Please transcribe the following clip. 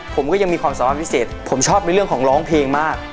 ผมก็ยังมีความสามารถพิเศษผมชอบในเรื่องของร้องเพลงมาก